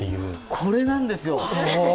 これなんですよ！